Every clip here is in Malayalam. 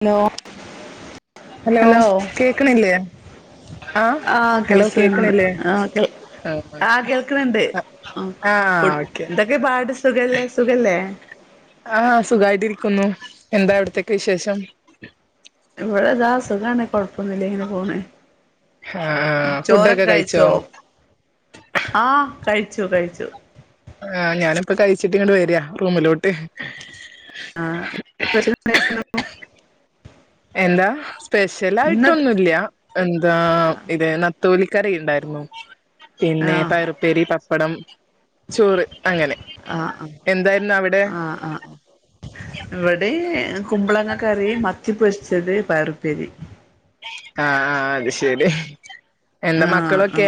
ഹലോ ഹലോ കേക്കണില്ലേ ആഹ് ഹലോ കേൾക്ക്ണ് ണ്ട് കേക്കണില്ലേ ആ കെൾ ആ കേൾക്ക്ണ് ണ്ട് ആഹ് കുട്ടി ഓക്കെ എന്തൊക്കെ പാട് സുഖല്ലേ സുഖല്ലേ ആഹ് സുഖായിട്ട് ഇരിക്കുന്നു എന്തൊക്കെഅവിട്തൊക്കെ വിശേഷം ഇവിടെതാ സുഖാണ് കൊഴപ്പൊന്നില്ല ഇങ്ങനെ പോണ് ആ ആ ഫുഡൊക്കെ കഴിച്ചോ? ആഹ് കഴിച്ചു കഴിച്ചു ആഹ് ഞാനിപ്പോ കഴിച്ചിട്ട് ഇങ്ങട് വരിയാ റൂമിലോട്ട് ആഹ് [unintelligible] എന്താ സ്പെഷ്യൽ ഇന്ന് ആയിട്ടൊന്നൂല്ല എന്താ ഇതെ നത്തോലി കറിയുണ്ടായിരുന്നു പിന്നെ ആഹ് പയറുപ്പേരി പ പ്പടം ചോറ് അങ്ങനെ ആഹ് ആഹ് എന്തായിരുന്നവ്ടെ ആഹ് കുമ്പളങ്ങക്കറി മത്തി പൊരിച്ചത് പഴറുപ്പേരി ആ ആ അത്ശെരി ആ ആ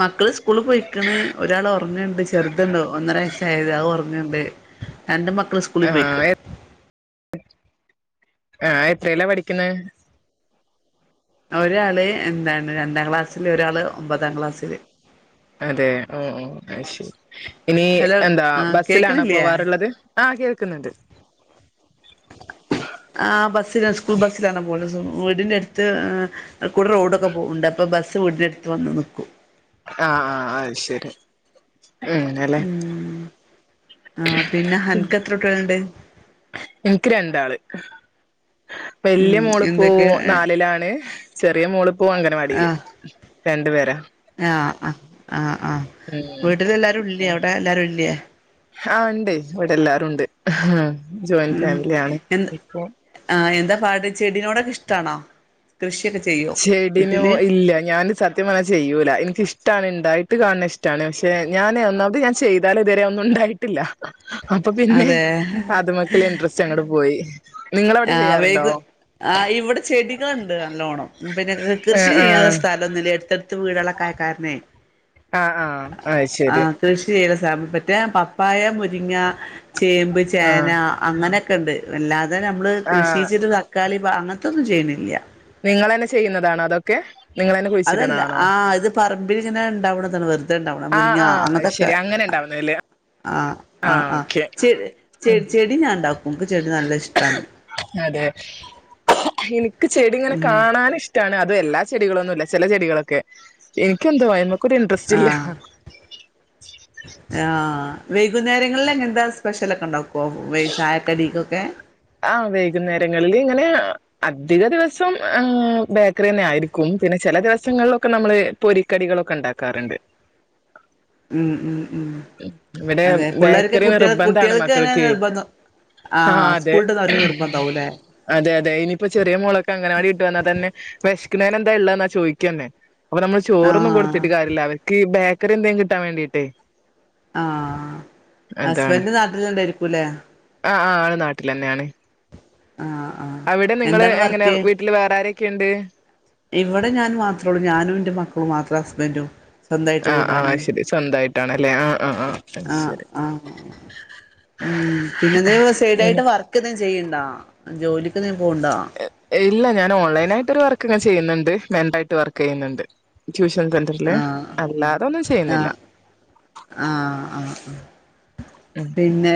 മക്കള് സ്കൂള് പൊയ്ക്ക്ണ് ഒരാള് ഒറങ്ങ്ണ്ട് ചെറുത്ണ്ട് ഒന്നര വയസ്സായിത് അത് ഒറ ങ്ങണ്ട് രണ്ട് മക്ക ക്കള് സ്കൂള് പോയ്ക്ക്ണ് ആ എത്രേലാ പഠിക്കുന്നെ? ഒരാള് എന്താണ് രണ്ടാക്ലാസില് ഒരാള് ഒമ്പതാക്ലാസില് അതെ ഉം ഉം അയ് ശരി. ഇനി ഹലോ എന്താ ആഹ് ബസ്സിലാണോ കേക്ക്ണില്ലേ പോവാറുള്ളത്? ആ കേൾക്കുന്നുണ്ട്. ആ ബസ്സിലാ സ്കൂൾ ബസ്സിലാണ് [unintelligible] വീടിന്റെ അടുത്ത് ആഹ് കൂടെ റോഡൊക്കെ പോവുണ്ട്. അപ്പോ ബസ് സ് വീടിന്റടുത്തു വന്ന് നിക്കും. ആ ആ ആ അയിശേരി അങ്ങനെല്ലേ ആ നിക്ക് രണ്ടാള് വല്യ ഉം മോളിപ്പോ എന്തൊക്കെ നാലിലാണ് ചെറിയ മോളി പ്പോ അംഗനവാടീല് രണ്ട് പേര ആ ആ ആ ആ ഉം വീട്ടിലെല്ലാരുല്ല്യെ അവ്ടെ ല്ലാരൂല്ല്യേ ആ ഇണ്ട് ഇവിടെല്ലാരുണ്ട് ഉം എന്താ ആ എന്താ പാട് ചെടിയോടെക്കെ ഇഷ്ടാണോ കൃഷിയൊക്കെ ചെയ്യോ ചെടിനോ വീട്ടില് ഇല്ല ഞാന് സത്യം പറഞ്ഞാ ചെയ്യൂല എനിക്കിഷ്ടാണ് ഇണ്ടായിട്ട് കാണ്ണേ ഇഷ്ടാണ് പക്ഷെ ഞാന് ഒന്നാമത് ഞാൻ ചെയ്താലിതുവരെ ഒന്നുണ്ടായിട്ടില്ല അപ്പൊ പിന്നെ അതെ അതുമെക്കുള്ള ഇൻട്രെസ്റ്റ് അങ്ങട്പോയി ആ വൈകു ആ ഇവട ചെടികളിണ്ട് നല്ലോ ല്ലോണം പിന്നെ കൃഷി ആഹ് ചെയ്യാനുള്ള ആഹ് സ്ഥലോന്നുല്ല്യ എടുത്ത ത്ത് വീടാളൊക്കായ കാരണേയ് ആഹ് ആഹ് അത് ആ ശരി കൃഷി [unintelligible] ഞാൻ പപ്പായ, മുരിങ്ങ ചേമ്പ്, ആഹ് ചേന അങ്ങന ക്കണ്ട് അല്ലാതെ ഞ്ഞം മ്മള് ആഹ് കൃഷീച്ച്ട്ട് തക്കാളി, പ അങ്ങ തൊന്നും ചെയ്യണില്ല. നിങ്ങളെന്നെ ചെയ്യുന്നതാണോ തൊക്കെ? അതല്ലാ ആ ഇത് പറമ്പില് ങ്ങനെ ണ്ടാവ്ണതാണ് വെർത് ആ ആ അയ്ശരി അങ്ങനെ ണ്ടാവ്ണത് ല്ലേ ആ ആ ആ ചെ ചെടി ചെടി ഞണ്ടാക്കും ഇൻക്ക് ചെടി നല്ല ഇഷ്ട്ടാണ്. ക്ക് ചെടിങ്ങനെ കാണാനിഷ്ട്ടാണ് അത് എല്ലാചെടികളൊന്നൂല്ല ചെല ചെടികളൊക്കെ ഇൻക്കെന്തോ ഐമക്ക് കോരിന്ട്രെസ്റ്റില്ല ആഹ് വൈക്കുന്നേരങ്ങളിലെങ്ങനത്താ സ്പെഷ്യലൊക്കെണ്ടാക്കോ? പ്പോ ചായക്കടീക്കൊ ക്കെ ആഹ് വൈകുന്നേരങ്ങളിലിങ്ങനെ അധികദിവസം ബേക്കറിന്നെ ആയിരിക്കും പിന്നെ ചെല ദിവസങ്ങളിൽ നമ്മള് പൊരിക്കടികളൊക്കെണ്ടാക്കാ റ്ണ്ട്. മ് മ് ഇവടെ ബേക്കറി കുട്ടികൾ നിർബന്ധാണ് കുട്ടികൾക്ക് തന്നെ മക്കൾക്ക് നിർബന്ധം ആ ആഹ് അതെ സ്കൂൾ വിട്ട് വരുന്ന നിർബന്ധാവൂല്ലേ അതെ ഇനിപ്പോ ചെറ്യേ മോളൊക്കെ അംഗവാടി വിട്ട് വന്നാ തന്നെ തിന്നാനെന്താ ഇള്ളേന്നാ ചോയ്ക്കെന്നേ അപ്പ നമ്മള് ചോറൊന്നും ആഹ് കൊട്ത്ത്ട്ട് കാര്യല്ല അവര്ക്ക് ബെ ക്കറി എന്തേലും കിട്ടാം വേണ്ടീട്ട് ആഹ് ഹസ്ബന്റ് നാട്ടില്ണ്ടായിരിക്കുലെ നാട്ടിലെന്നേണ് ആഹ് അവിടെ നിങ്ങള് എന്താണ് എങ്ങനെ വീട്ടില് വേറെന്തേ ക്കെണ്ട് ഇവടെ ഞാൻ മാത്രള്ളൂ ഞാനൂന്റെ മക്കളും മാത്ര ഹസ്ബന്റും സ്വന്തായിട്ട് ആഹ് വീടാണ്. ആഹ് ശരി സ്വന്തായിട്ടാണല്ലേ ആഹ് ആഹ് ആഹ് ആഹ് ശരി ആഹ് മ് പിന്നെ ന്തേലും സൈടായിട്ട് വർക്ക്‌ ചെയ്ണ്ണ്ണ്ടോ? ജോലി [unintelligible] ഇല്ല ഞാൻ ഓൺലൈനായിട്ടോര് വർക്ക്‌ ചെയ്യ്ന്ന്ണ്ട് മെട്രായിട്ട് വർക്കീയ്യ്ന്ന്ണ്ട് ആഹ് ചെയ്യുന്നില്ല ആഹ് ആഹ് ഉം പിന്നെ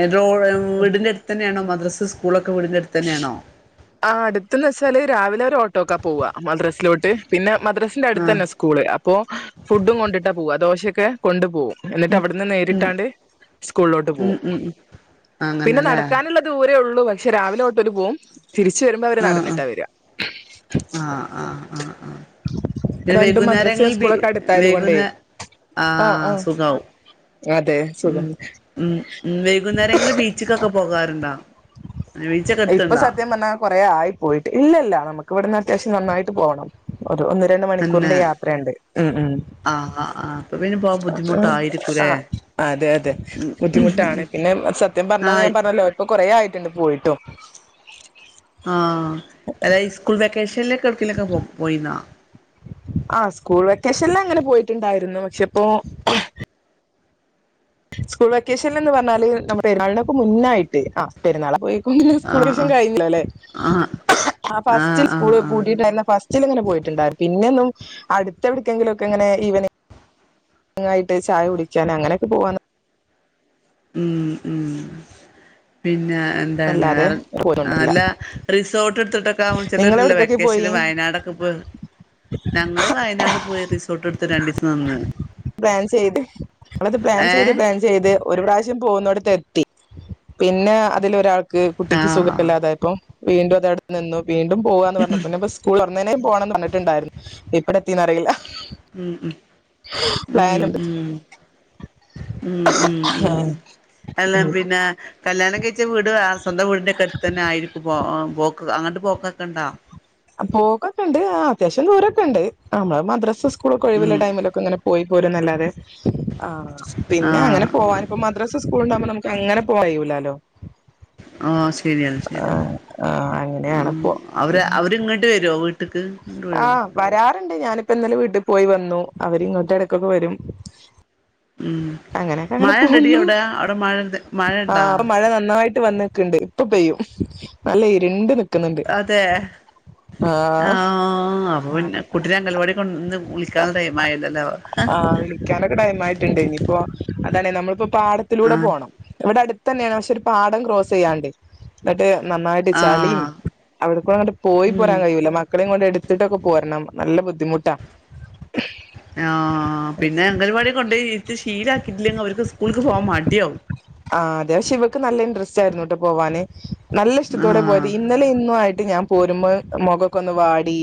വീടിന്റെ എര്തന്നെണോ സ്കൂളും മദ്രാസൊക്കെ സ്കൂൾ ഒക്കെ വീടിനടുത്ത് തന്നെയാണോ ആ അടുത്തുന്ന് വച്ചാല് രാവ രാവിലെ ഓട്ടയ്ക്കാ പോവാ മദ്രസ ഓട്ട പിന്നെ മദ്രസിന്റെ അടുത്ത് ആഹ് തന്നെ സ്കൂൾ അപ്പോ ഫുഡ് കൊണ്ടിട്ടാ പോവാ, ദോശക്ക് ക്കെ കൊണ്ടുപോകും എന്നിട്ട് അവിടുന്നങ് നേരിട്ട് അങ്ങട് സ്കൂളിലേക്ക് ഉം പോകും ഉം സ്കൂളിലേക്ക് ഉം പോകും പിന്നെ അങ്ങനെല്ലേ നടക്കാനുള്ള ദൂരേ ഉള്ളൂ ണ്ട് പക്ഷേ രാവിലെ തൊട്ട അവര് പോവു തിരിച്ചുവരുമ്പോൾ അവരും ആഹ് നടന്നിട്ടാ വരിക ആഹ് ആഹ് ആഹ് ആഹ് ആഹ് പിന്നെ രണ്ടു മദ്രസയിൽ വൈകുന്നേരങ്ങളിൽ ബി സ്കൂൾ ക്കടത്തായതുകൊണ്ടേ വൈകുന്നേ ആ ആ ആഹ് സുഖാവും ഉം വൈകുന്നേരങ്ങളിൽ ബീച്ചിക്കക്ക പോകാറുണ്ടോ ബീച്ചൊക്കെ ഇപ്പോൾ അടുത്ത്ണ്ടോ സത്യം പറഞ്ഞാൽ കു റെ ആയി പോയിട്ട് ഇല്ലില്ല നമുക്ക് ഇവിടുന്ന് അത്യാവശ്യം നന്നായിട്ട് പോകണം ഒരുഒന്ന് രണ്ട് മണിക്കൂർ തന്നെ യാത്രയുണ്ട് ഉം ഉം ആഹ് ആഹ് ആഹ് അപ്പൊ പിന്നെ പോവാൻ ബുദ്ധിമുട്ടായിരിക്കൂല്ലേ അത് അഅതെഅതെ ബുദ്ധിമുട്ടാണ് പിന്നെസത്യം പറഞ്ഞ് ആഹ് ഞാൻപറഞ്ഞല്ലോ ഇപ്പോൾ കുറെയായി [inaudible] ആ ആ അതായത് സ്കൂൾ വെക്കേഷന് [inaudible] ആ സ്കൂൾ വെക്കേഷന് അങ്ങനെ പോയിട്ടുണ്ടായിരുന്നു ക്ഷേ ഇപ്പോൾ സ്കൂൾ വെ ക്കേഷനന്ന പറഞ്ഞാല് നമ്മുടെ വരുന്നതിനു മുന്നേയിട്ടാ പെരുന്നാൾ ആഹ് ആഹ് ആഹ് [inaudible] ച ആഹ് ആഹ് ആഹ് അങ്ങനെ പോയിട്ടുണ്ടായിരുന്നു പിന്നൊന്നും അടുത്ത എവിടെക്കെങ്കിലും ഒക്കെ ഇവനി ആയിട്ട് ചായകുടിക്കാൻ അങ്ങനെയൊക്കെ പോവ ഉം ഉം പിന്നെ എന്താണ് പോവാന്നല്ലാതെ വേറെ പോയിട്ടില്ല അല്ല റിസോർട്ട് നിങ്ങൾ ചിലരൊക്കെ എവിടക്കൊക്കെ വെക്കേഷന് പോയി വയനാട് ഒക്കെപോയി ഞങ്ങൾ വയനാട് പോയി റിസോർട്ട് എടുത്ത് രണ്ടുദിവസം നിന്ന് പ്ലാൻ ചെയ്തു ഞങ്ങൾ അത് പ്ലാൻ ചെയ്ത ഏഹ് പ്ലാൻ ചെയ്തു ഒരു പ്രാവശ്യം പോകുന്നിടത്ത് എത്തി പിന്നെ ഇതിൽ ഒരാൾക്ക് കുട്ടിക്ക് ആഹ് സുഖോല്ല തായപ്പം വീണ്ടെതടുത്ത് നിന്നും വീണ്ടും പോകാന്ന് പറഞ്ഞപ്പ സ്കൂൾ തുറന്ന ഉടനെ പറഞ്ഞിട്ടുണ്ടായിരുന്നു ണ്ടായിരുന്നുന്നിട്ടുണ്ടായിരുന്നു ഇപ്പടെ അറിയില്ല ഉം ഉം പ്ലാനുണ്ട് ഉം ഉം ഉം ഉം അല്ല പിന്നെ കല്യാണം കഴിച്ച വീട് സ്വന്തം വീടിന്റെ അടുത്ത് തന്നെ ആയിരിക്കുമ്പോ പോ അങ്ങട്ട് പൊക്കൊക്കെ ഉണ്ടോ പോവുക്കെണ്ട് അത്യാവിശ്യം ദൂരെക്കൊണ്ട് നമ്മളെ മദ്രസ സ്- സ്‌കൂളൊക്കെ ഒഴിവുള്ള ഉം ടൈമിലൊക്കെ പോയി പോരുന്നല്ലാത്ത- അ പിന്നെ ആഹ് അങ്ങനെ പോവാൻ ഇപ്പോ മദ്രസെ സ്കൂളും ഉണ്ടാവുമ്പോ അങ്ങനെ പോവാ കഴിയിലാല്ലോ അ ശരിയാണ് ശരിയാണ് ആ മ്മ് അങ്ങനെയാണിപ്പോ അവര് ഇങ്ങട്ട് വിട്ടെരൊ [unintelligible] അ വരാറ്- ഞാനിപ്പംന്നലെ വീട്ടിപോയി വന്നു അവര് ഇങ്ങോട്ട് ഇടക്കൊക്കെ വരും മ്മ് അങ്ങനെയൊക്കെ അങ്ങനെ മഴണ്ടെടി പോന്നു അവിടെ അവിടെ മഴൻ്റെ മഴ ഉണ്ടോ? വന്ന്ക്ക്ണ്ട് ഇപ്പോ ചെയ്യും നല്ല ഇര്ണ്ട് നി- അതെ ആ..... പിന്നെ കുട്ടിനെ അങ്കണവാടി- അ വിളിക്കാന്നൊക്കെ ടൈം ആയിട്ട്ണ്ട് ഇനിപ്പം അതാണെ നമ്മളിപ്പോ- പാടത്തിലൂടെ ആഹ് പോണം ഇവിടെടു- ത്തെന്നെണ് പക്ഷേ ഒരു പാടം ക്രോസെയ്യാണ്ട് ന്ന് ട്ട് നന്നായിട്ട് ചളീം ആഹ് അവിട്ക്കൊന്നണ്ട് പോയി ഉം പോരാൻ കയ്യൂല്ല മക്കളെ കൊണ്ട് ട്ട്ട്ടൊക്കെ പോരണം നല്ല മുദ്ധിമുട്ട ട്ട ആ പിന്നെ അങ്കലവാടികൊണ്ടോയി ട്ട് ശീലാക്കിട്ട്ല്ലെങ്കില് ഓല്ക്ക് സ്‌കൂള്ക്ക് പോവാൻ മടിയാവും ആ ത് പഷേ ഇവക്ക് നല്ല ഇൻഡ്രസ്‌റ്റായിരുന്നു ട്ടോ പോവാന് നല്ല ഇഷ്‌ടത്തോടെ പോയത് ആഹ് ഇന്നലേം ഇന്നും ആയിട്ട് ഞാൻ പോരുമ്പോ മൊഗൊക്കൊന്ന് വാടി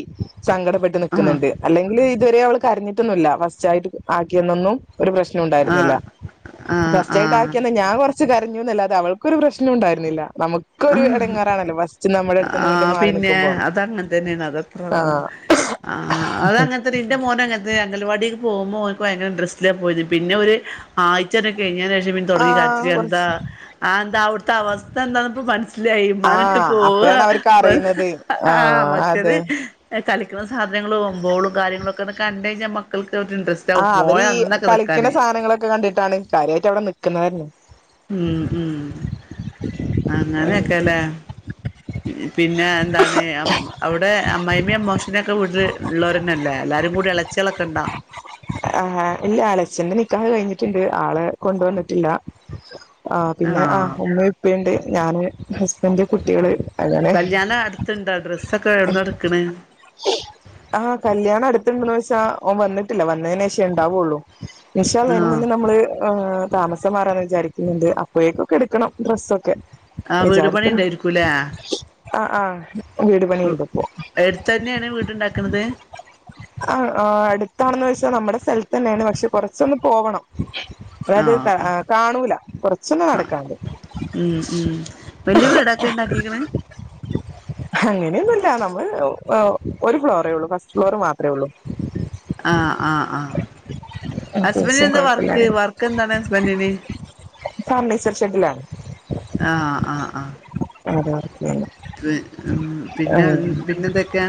സങ്കടപെട്ട് ആഹ് നിക്ക്ന്ന്ണ്ട് അല്ലെങ്കില് ഇത് വെരെ അവള് കരഞ്ഞിട്ടൊന്നുല്ല ഫസ്‌റ്റായിട്ട് ആക്കിന്നന്നും ഒരു പ്രശ്‌ന നവും ണ്ടായിരുന്നില്ല ആഹ് ആഹ് ഫസ്‌റ്റായിട്ടാക്ക്യന്ന് ആഹ് ഞാൻ കൊർച്ച് ച്ച് കരഞ്ഞുന്നല്ലാത്തെ അവൾക്കൊരു പ്രശ്‌നൊണ്ടായിരുന്നില്ല ആ അടുത്ത്ന്ന് ആ ഇങ്ങോട്ട് മാറി പിന്നെ നിക്കുമ്പോ അതങ്ങൻത്തെന്നെണ് അതിപ്പം ആഹ് അ അതങ്ങൻത്തെന്നെ ൻ്റെ മോനും അങ്ങൻത്തെന്നെ അങ്കൽവാടി പോവുമ്പോ ഓന്ക്ക് ഭയങ്കര ഇൻഡ്രസ്റ്റ്ല പോയത് പിന്നെ ഒര് ഒരാഴ്ച്ചേറ്റം കയ്ഞ്ഞെന്റെ പിന്നെതൊടങ്ങി കരച്ച് ആഹ് ല് എന്താ കുറച്ച് അതെന്താ അവ്ട് ത്ത അവസ്ഥ എന്താ പ്പൊ പട്ച്ച് ല്ലാ ഈ ഇമ്മാനെ ഇട്ട് ആഹ് പോവാ അപ്പഴാണ് അവർക്ക് അറിയുന്നത് ആഹ് മറ്റത് അതെ കളിക്കണ സാധനങ്ങള് [unintelligible] കാര്യങ്ങളൊക്കെ ഒന്ന് കണ്ട് കഴിഞ്ഞാ മക്കൾക്ക് ഒരു ഇൻട്രസ്റ്റ് ആവും ആഹ് പോയ അവരീ അന്നൊക്കെ കളിക്ക്ണ നിക്കാന് സാധനങ്ങളൊക്കെ കണ്ടിട്ടാണ് കാര്യായിട്ട് അവിടെ നിക്കുന്നത് തന്നെ. ഉം ഉം ഉം അങ്ങനെയൊക്കെ ല്ലേ? പിന്നെ എന്താണ് അവിടെ അമ്മായിയമ്മയും അമ്മോഷ് നും ഒക്കെ വീട്ടില് ഇള്ളോരന്നല്ലേ എല്ലാരും കൂടി എതളച്ച്യേളൊക്കെ ണ്ടോ? ആഹ് ഇല്ല എളച്ചൻ്റെ നിക്കാഹ് കഴിഞ്ഞിട്ട്ണ്ട് ആളെ കൊണ്ട് വന്നിട്ടില്ല. ആഹ് പിന്നെ ആഹ് ഉമ്മിം ഉപ്പിം ണ്ട്. ഞാന് ഹസ്ബൻഡ് കുട്ടികള് അതാണ്. കല്യാണം അടുത്തുണ്ടോ ഡ്രസ്സൊക്കെ എവിടുന്നാ എടുക്കണ് ആഹ് കല്യാണം അടുത്ത്ണ്ട് ന്ന് വ ച്ചാ ഓൻ വന്നിട്ടില്ല വന്നേനെ ശേ ഇണ്ടാവൊള്ളു. ഇൻശാ അല്ലാഹ് അയിന് ആഹ് മുന്ന് നമ്മള് ഏഹ് താമസം മാറാന്ന് വിചാരിക്ന്നുണ്ട് അപ്പഴേക്കും ഒക്കെ എടുക്കണം ഡ്രസ്സ് ഒ ആഹ് വീട് പണി ഇണ്ടേരിക്കൂലേ? ആഹ് ആഹ്. വീട് പണിണ്ട് ഇപ്പൊ. എടുത്ത് തന്നെയാണ് വീടുണ്ടാക്കണത് അ ആഹ് അടുത്താണോന്ന് ചോദിച്ച നമ്മടെ തന്നെയാണ് പക്ഷേ കുറച്ച് ഒന്ന് പോകണം. അതായത് ക ആഹ് കാണൂല കുറച്ചൊന്നു നടക്കാനുണ്ട് ഉം ഉം വല്യ വീടൊക്കെ ഉണ്ടാക്കിക്കണ് അങ്ങനെയൊന്നുല്ല നമ്മള് ആഹ് ഒരു ഫ്ലോറെ ഉള്ളൂ ഫസ്റ്റ് ഫ്ലോർ മാത്രേയുള്ളൂ. ആഹ് ആഹ്. ആഹ് ഹസ്ബൻഡിന് അത്യാവശ്യം എന്താ വർക്ക് കുഴപ്പമില്ലാതെ വർക്ക് എന്താണ് ഹസ്ബൻഡിന് ഫർണിച്ചർ ഷെഡിലാണ് ആഹ് ആഹ് ആഹ്. അതെയോ ഉം ഉം പിന്നെ പിന്നെന്തൊക്കെ?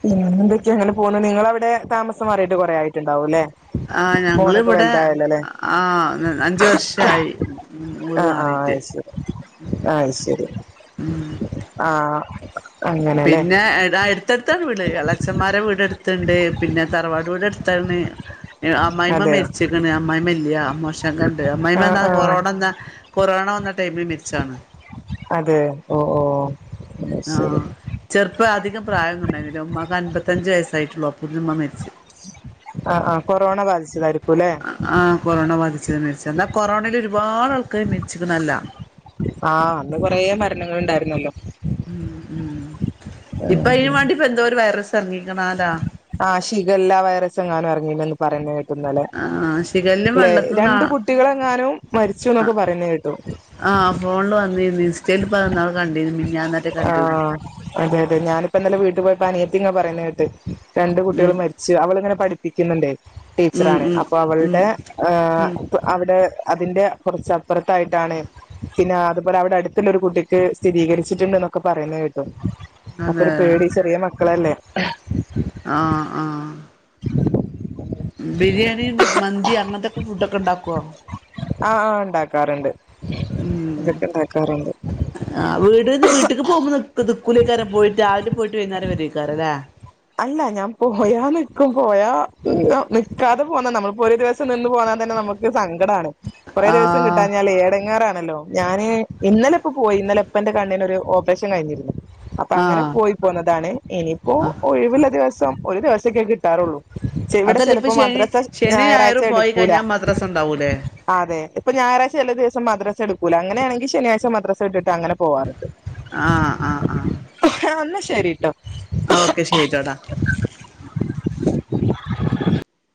പിന്നെന്താ ഇങ്ങനെ പോണ് നിങ്ങളവിടെ താമസം മാറിയോ? ഇപ്പം കൊറേയായിട്ടുണ്ടാവും ല്ലേ? ആഹ് ഞങ്ങളിവിടെ ആഹ് അഞ്ച് വർഷായി ആഹ് ആഹ് മാറീട്ട് അത് ശരി ഉം അത് ശരി ഉം. ആഹ് അങ്ങനെല്ലേ പിന്നെ എട അടുത്തടുത്താണ് വീട് ഇളച്ചമ്മാരെ വീട് അടുത് തുണ്ട് പിന്നെ തറവാട് വീട് അടുത്താണ്. അമ്മായിയമ്മ അതെയോ മരിച്ചിക്കണ് അമ്മായിയമ്മ ഇല്ല അമ്മോഷൻക്കാ ഇണ്ട് അമ്മായിയമ്മ ആഹ് അന്നു ആഹ് കൊറോണ വന്ന കൊറോണ വന്ന ടൈമ് മരിച് ച്ചാണ്. അതെ ഓ ഓ. അത് ശരി ആഹ് ചെറുപ്പ അധികം പ്രായൊന്നും ഉണ്ടായിരുന്നില്ല ഉമ്മാക് അൻപത്തഞ്ച് വയസ്സായിട്ടുള്ളൂ അപ്പൾത്തേക്കും ഉമ്മ മരിച്ച് ആ ആ കൊറോണ ബാധിച്ചതായിരിക്കുലെ മരിച്ചേ അന്നാ കൊറോണയിലൊരുപാട് ആൾക്കാര് മരിച്ചക്കണല്ലോ ആ അന്നും കൊറെ മരണങ്ങളുണ്ടായിരുന്നല്ലോ മ്മ് മ്മ് ഇപ്പ ഈ വണ്ടിപ്പ് എന്തോരു വൈറസ് എറങ്ങീക്കണാലോ ആ ഷിഗല്ല വയറസ് എങ്ങാനും എറങ്ങീണ് പറയണ കേട്ട് ഇന്നലെ ആഹ് ശിഖല്ലും ലേ വെള്ളത്തിന്നാ രണ്ടു കുട്ടികളെങ്ങാനും മരിച്ചുന്നൊക്കെ പറയുന്ന കേട്ടു ഇത് ഇൻസ്റ്റേല് പറയുന്നൊക്കെ കണ്ടീന് ആ അതെ അതെ ഞാനിപ്പിന്നലെ വീട്ടി പോയി അപ്പനിയത്തിങ്ങനെ പറയുന്ന കേട്ട് രണ്ട് ഉം കുട്ടികള് മരിച്ച് അവളിങ്ങനെ പഠിപ്പിക്കുന്നണ്ടേ. ഉം ടീച്ചറാണ് ഉം അപ്പൊ ഉം അവളുടെ ആ ഉം ഇപ്പ അവടെ അതിന്റെ കൊറച്ചപ്പുറത്തായിട്ടാണ്. പിന്നെ അതുപോലെ അവിടെടുത്തുള്ളൊരു കുട്ടിക്ക് സ്ഥിരീകരിച്ചിട്ടുണ്ടെന്ന ഒക്കെ പറയുന്നെ കേട്ടു. അപ്പൊരു പേടി. ചെറിയ മക്കളല്ലേ. ആ ആ ബിരിയാണി [unintelligible] മന്തി അങ്ങനത്തെ ഫുഡോക്കെ ഇണ്ടാക്കുവോ. ആ ആ ഇണ്ടാക്കാറുണ്ട്. മ്മ് ആ വീട്ന്ന് വീട്ട്ക്ക് [unintelligible] കുലിക്കരൻ പോയിട്ടാ രാവിലെ പോയിട്ട് വൈന്നേരം വരയ്ക്കാരം ലേ. അ അല്ല ഞാൻ പോയാ നിക്കും പോയാ നിക്കാതെ പോന്നാ നമ്മളിപ്പോ ഒരു ദിവസം നി ഇന്ന് പോന്നാത്തന്നെ നമുക്ക് സങ്കടാണ് കൊറേ ദിവസം ആഹ് കിട്ടാഞ്ഞാലെ ഏടങ്ങാറാണല്ലോ ഞാന് ഇന്നലെയിപ്പ പോയി ഇന്നലെപ്പന്റെ കണ്ണിനൊരു ഓപ്പറേഷൻ കയിഞ്ഞിരുന്നു. അപ്പ അങ്ങനെ ആഹ് പോയി പോന്നതാണ് ഇനിയിപ്പോ ആഹ് കഴിവ്ള്ള ദിവസം ഒരു ദിവസൊക്കെ കിട്ടാറൊള്ളൂ ചിവിടെ അതല്ല ഇപ്പൊ ചെലപ്പോ ശനി മദ്രസ ശനി ഞായറാഴ്ച ഞായറും പോയി എടുക്കൂല കഴിഞ്ഞാൽ മദ്രസ ഉണ്ടാവൂലേ അതെ ഇപ്പ ഞായറാഴ്ച ചെലദിവസം മദ്രസ്- ച്ചഎടുക്കൂല അങ്ങനെയാണെങ്കി ശനിയാഴ്ച മദ്രസെ വിട്ടിട്ട് അങ്ങനെ പോവാറ്ണ്ട്. ആഹ് ആ ആ ശരീട്ടോ ഓക്കെ ശരിട്ടോ ടാ